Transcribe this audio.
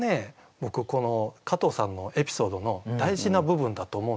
僕加藤さんのエピソードの大事な部分だと思うんですよ。